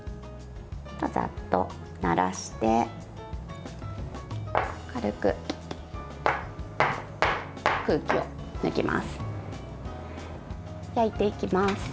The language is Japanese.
ざっとならして軽く空気を抜きます。